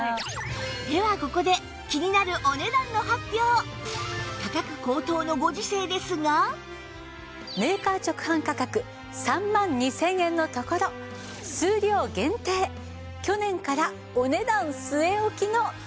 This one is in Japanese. ではここで気になるメーカー直販価格３万２０００円のところ数量限定去年からお値段据え置きの特別価格。